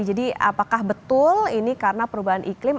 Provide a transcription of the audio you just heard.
jadi apakah betul ini karena perubahan iklim